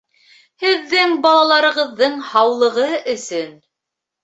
Һеҙҙең балаларығыҙҙың һаулығы өсөн!